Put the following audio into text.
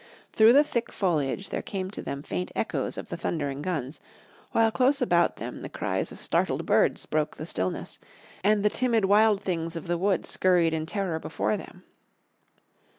Through the thick foliage there came to them faint echoes of the thundering guns, while close about them the cries of startled birds broke the stillness, and the timid, wild things of the woods scurried in terror before them.